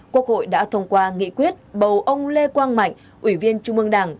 quốc hội đã thông qua nghị quyết bầu ông lê quang mạnh ủy viên trung ương đảng